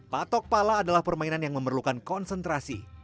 patok pala adalah permainan yang memerlukan konsentrasi